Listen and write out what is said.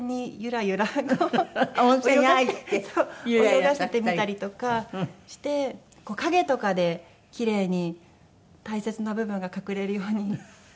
泳がせてみたりとかして影とかでキレイに大切な部分が隠れるようにしてやってました。